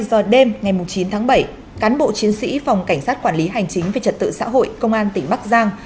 một mươi giờ đêm ngày chín tháng bảy cán bộ chiến sĩ phòng cảnh sát quản lý hành chính về trật tự xã hội công an tỉnh bắc giang